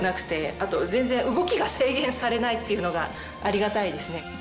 あと全然動きが制限されないっていうのがありがたいですね。